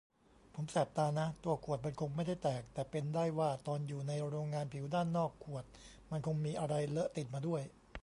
ผมแสบตานะ ตัวขวดมันคงไม่ได้แตก แต่เป็นได้ว่าตอนอยู่ในโรงงานผิวด้านนอกขวดมันคงมีอะไรเลอะติดมาด้วย